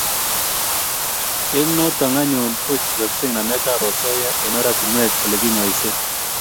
eng notok anyun ko chuchuakse namet a asoya eng' oratinwek ole kinyaise